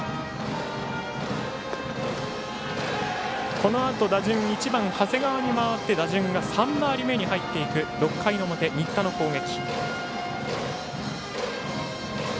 このあと打順１番、長谷川に回って打順が３回り目に入っていく６回の表新田の攻撃。